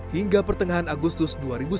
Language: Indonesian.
hingga pertengahan agustus dua ribu sembilan belas